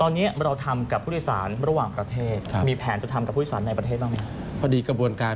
ตอนนี้เราทำกับผู้โดยสารระหว่างประเทศมีแผนจะทำกับผู้โดยสารในประเทศบ้างไหม